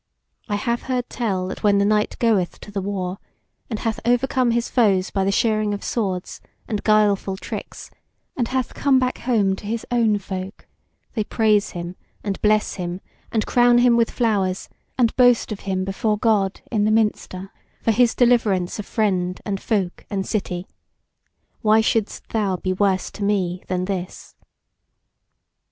I have heard tell that when the knight goeth to the war, and hath overcome his foes by the shearing of swords and guileful tricks, and hath come back home to his own folk, they praise him and bless him, and crown him with flowers, and boast of him before God in the minster for his deliverance of friend and folk and city. Why shouldst thou be worse to me than this?